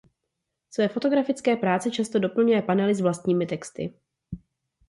Své fotografické práce často doplňuje panely s vlastními texty.